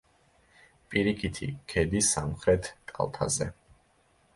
პირიქითი ქედის სამხრეთ კალთაზე.